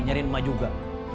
nyariin emak juga